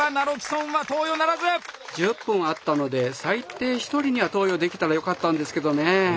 １０分あったので最低１人には投与できたらよかったんですけどね。ね。